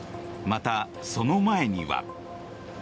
またその前には。